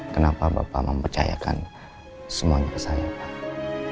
kenapa bapak mempercayakan semuanya ke saya pak